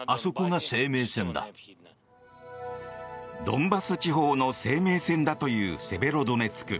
ドンバス地方の生命線だというセベロドネツク。